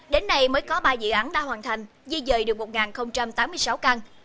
đến nay mới có ba dự án đã hoàn thành di dời được một tám mươi sáu căn